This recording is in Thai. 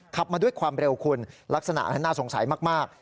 ขับมาด้วยความเร็วคุณลักษณะน่าสงสัยมาก